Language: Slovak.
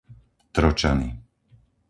Tročany